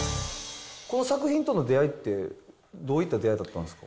この作品との出会いって、どういった出会いだったんですか？